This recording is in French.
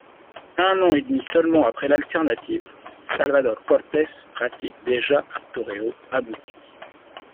Un an et demi seulement après l’alternative, Salvador Cortés pratique déjà un toreo abouti.